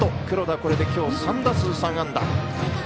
黒田、これできょう３打数３安打。